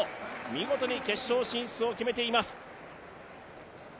見事に決勝進出を決めています。